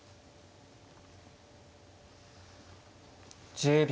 １０秒。